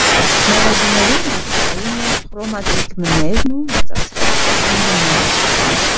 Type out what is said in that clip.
Մեղեդիներում բացակայում են խրոմատիգմներն ու մեծացրած սեկունդաները։